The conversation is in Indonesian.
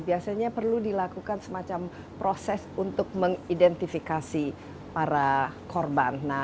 biasanya perlu dilakukan semacam proses untuk mengidentifikasi para korban